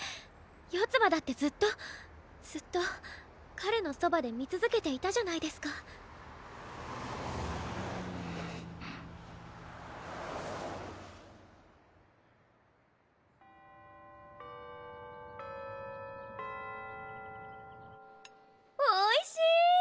四葉だってずっとずっと彼のそばで見続けていたじゃないですかおいし！